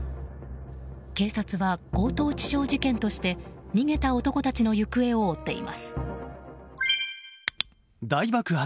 警察は強盗致傷事件として逃げた男たちの行方を追っています。